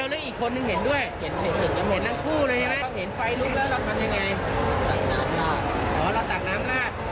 หลังจากนั้นเนี่ยเห็นประทัดมาไหม